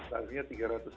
harganya tiga ratus ribu